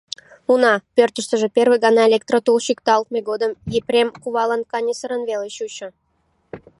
Уна, пӧртыштыжӧ первый гана электротул чӱкталтме годым Епрем кувалан каньысырын веле чучо.